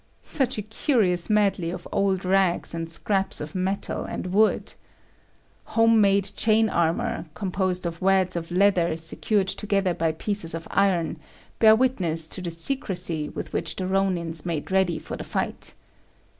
Such a curious medley of old rags and scraps of metal and wood! Home made chain armour, composed of wads of leather secured together by pieces of iron, bear witness to the secrecy with which the Rônins made ready for the fight.